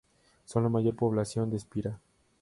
Son la mayor población de Spira.